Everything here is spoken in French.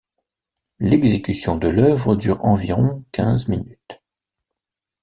L'exécution de l'œuvre dure environ quinze minutes.